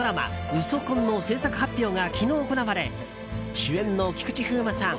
「ウソ婚」の制作発表が昨日、行われ主演の菊池風磨さん